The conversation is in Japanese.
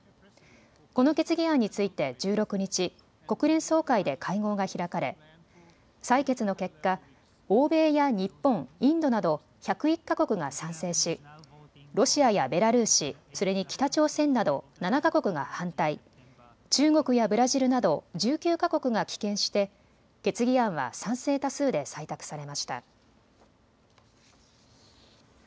この決議案について１６日、国連総会で会合が開かれ採決の結果、欧米や日本、インドなど１０１か国が賛成しロシアやベラルーシ、それに北朝鮮など７か国が反対、中国やブラジルなど１９か国が棄権して決議案は賛成多数で採択されました。